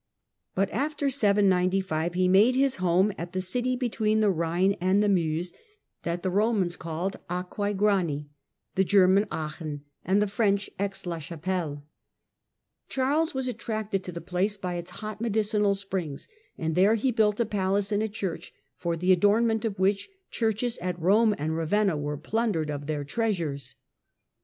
But after 795 he made his home at the city between the Khine and the Meuse that the Romans CAROLUS IMPERATOR 181 called Aquae Grani, the German Aachen and the French Aix la Chapelle. Charles was attracted to the place by its hot medicinal springs, and there he built a palace and a church, for the adornment of which churches at Rome and Ravenna were plundered of their treasures.